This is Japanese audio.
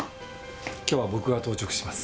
今日は僕が当直します。